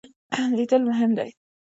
لیدل مهم دی.